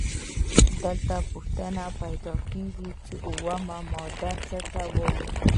دلته پوښتنه پیدا کیږي چې اومه ماده څه ته وايي؟